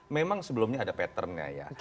memang sebelumnya ada patternnya ya